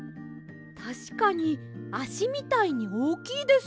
たしかにあしみたいにおおきいです。